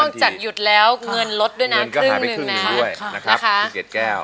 นอกจากหยุดแล้วเงินลดด้วยนะครึ่งหนึ่งด้วยนะคะพี่เกดแก้ว